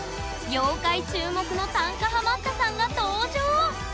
業界注目の短歌ハマったさんが登場！